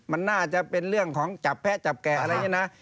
มันน่าจะเป็นเรื่องของจับแพะจับแกะอะไรอย่างนี้นะ